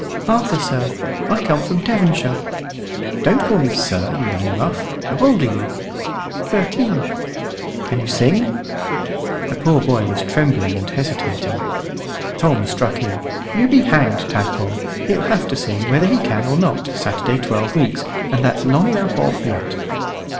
"Arthur, sir. I come from Devonshire." "Don't call me 'sir,' you young muff. How old are you?" "Thirteen." "Can you sing?" The poor boy was trembling and hesitating. Tom struck in "You be hanged, Tadpole. He'll have to sing, whether he can or not, Saturday twelve weeks, and that's long enough off yet."